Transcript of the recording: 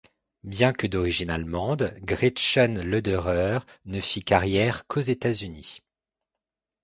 Bien que d'origine allemande, Gretchen Lederer ne fit carrière qu'aux États-Unis.